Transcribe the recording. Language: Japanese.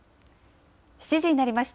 ７時になりました。